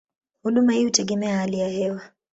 Huduma hii hutegemea hali ya hewa.